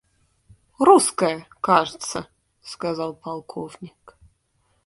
Русская, кажется, — сказал полковник.